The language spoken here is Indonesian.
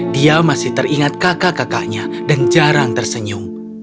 dia masih teringat kakak kakaknya dan jarang tersenyum